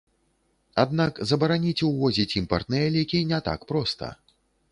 Аднак забараніць увозіць імпартныя лекі не так проста.